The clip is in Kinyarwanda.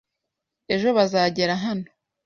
Ejo bazagera hano?